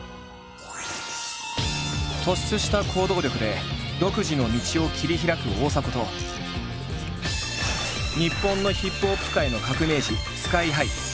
突出した行動力で独自の道を切り開く大迫と日本のＨＩＰＨＯＰ界の革命児ＳＫＹ−ＨＩ。